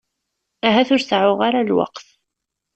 Ahat ur seεεuɣ ara lweqt.